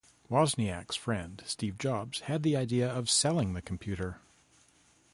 Wozniak's friend Steve Jobs had the idea of selling the computer.